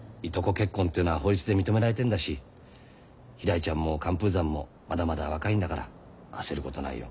結婚っていうのは法律で認められてんだしひらりちゃんも寒風山もまだまだ若いんだから焦ることないよ。